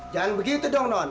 jangan begitu dong non